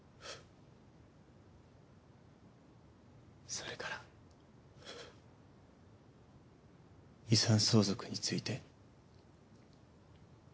それから遺産相続について。